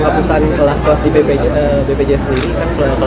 peraturan presiden nomor delapan puluh dua tentang perubahan ketiga